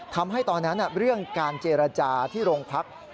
ทำให้ตอนนั้นเรื่องการเจรจาที่โรงพัก